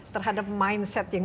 terhadap mindset yang